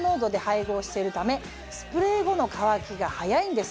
スプレー後の乾きが早いんです。